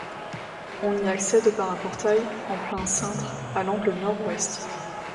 On y accède par un portail en plein cintre à l'angle nord-ouest.